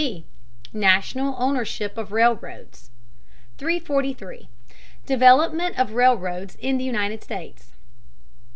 B. NATIONAL OWNERSHIP OF RAILROADS 343. DEVELOPMENT OF RAILROADS IN THE UNITED STATES.